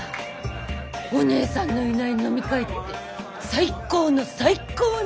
お姉さんのいない飲み会って最高の最高ね！